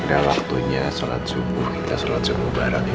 udah waktunya solat subuh kita solat subuh bareng yuk